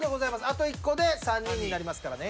あと１個で３人になりますからね。